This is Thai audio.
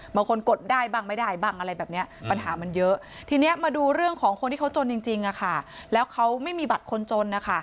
กดได้บ้างไม่ได้บ้างอะไรแบบนี้ปัญหามันเยอะทีนี้มาดูเรื่องของคนที่เขาจนจริงแล้วเขาไม่มีบัตรคนจนนะคะ